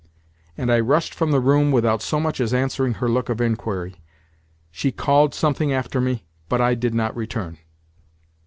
And I rushed from the room without so much as answering her look of inquiry. She called something after me, but I did not return.